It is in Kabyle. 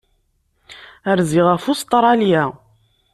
Rziɣ ɣef Ustṛalya.